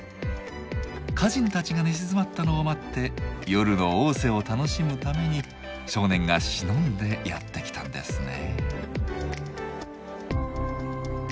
家人たちが寝静まったのを待って夜のおうせを楽しむために少年が忍んでやって来たんですね。